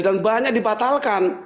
dan banyak dibatalkan